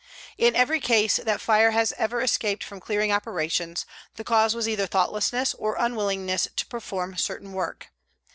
In every case that fire ever escaped from clearing operations, the cause was either thoughtlessness or unwillingness to perform certain work.